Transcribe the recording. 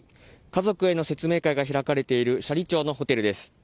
家族への説明会が開かれている斜里町のホテルです。